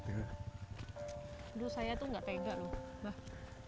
aduh saya tuh enggak pegang lho